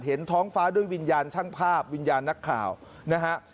ท้องฟ้าด้วยวิญญาณช่างภาพวิญญาณนักข่าวนะฮะ